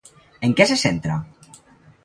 En què se centra?